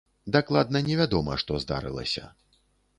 Дакладна не вядома, што здарылася.